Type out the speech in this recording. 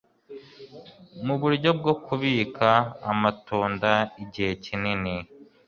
Mu buryo bwo kubika amatunda igihe kinini,